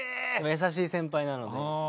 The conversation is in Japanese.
優しい先輩なので。